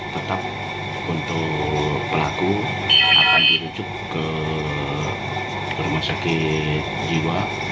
tetap untuk pelaku akan dirujuk ke rumah sakit jiwa